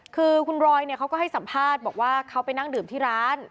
คือคุณรอยเขาก็ให้สัมภาษณ์บอกว่าเขาไปนั่งดื่มที่ร้าน